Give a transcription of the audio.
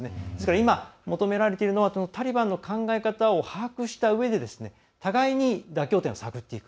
今、求められているのはタリバンの考え方を把握したうえで互いに妥協点を探っていく。